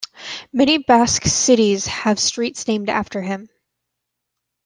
Many Basque cities have streets named after him.